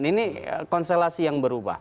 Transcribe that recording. ini konstelasi yang berubah